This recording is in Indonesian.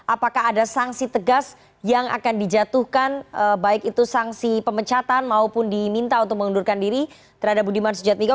apakah ada sanksi tegas yang akan dijatuhkan baik itu sanksi pemecatan maupun diminta untuk mengundurkan diri terhadap budiman sujadmiko